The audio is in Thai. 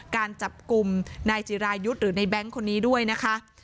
การจับกลุ่มนายจิรายุทธ์หรือในแบงค์คนนี้ด้วยนะคะ